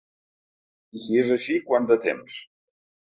I si és així, quant de temps?